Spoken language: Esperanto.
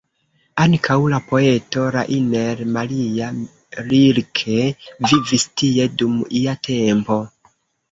Ankaŭ la poeto Rainer Maria Rilke vivis tie dum ia tempo.